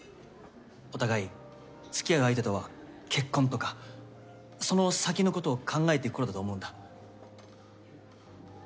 お互いつきあう相手とは結婚とかその先のことを考えていく頃だと思うんだ。